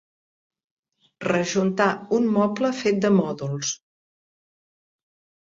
Rejuntar un moble fet de mòduls.